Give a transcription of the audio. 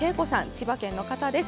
千葉県の方です。